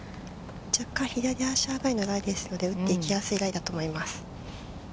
若干左足上がりのライですので、打っていきやすいライだと思います。